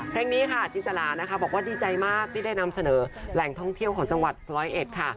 เพลงนี้ค่ะจินตรานะคะบอกว่าดีใจมากที่ได้นำเสนอแหล่งท่องเที่ยวของจังหวัดร้อยเอ็ดค่ะ